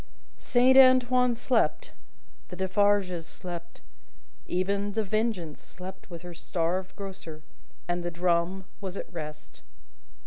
Saint Antoine slept, the Defarges slept: even The Vengeance slept with her starved grocer, and the drum was at rest.